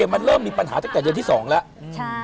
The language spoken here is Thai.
มันเริ่มมีปัญหาตั้งแต่เดือนที่๒แล้ว